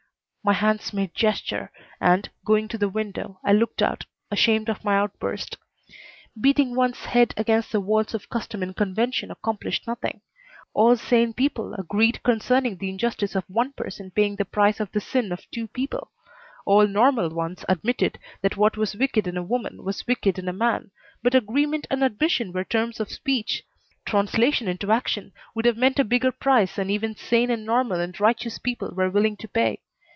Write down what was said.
My hands made gesture, and, going to the window, I looked out, ashamed of my outburst. Beating one's head against the walls of custom and convention accomplished nothing. All sane people agreed concerning the injustice of one person paying the price of the sin of two people; all normal ones admitted that what was wicked in a woman was wicked in a man, but agreement and admission were terms of speech. Translation into action would have meant a bigger price than even sane and normal and righteous people were willing to pay.